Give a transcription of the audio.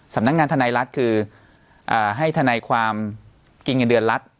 สำนักงานทนายรัฐคือให้ทนายความกินเงินเดือนรัฐ